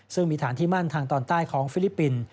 ซึ่งมีฐานที่มั่นทางตอนใต้ของฟิลิปปินส์